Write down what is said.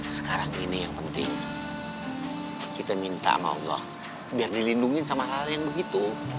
sekarang ini yang penting kita minta sama allah biar dilindungi sama hal hal yang begitu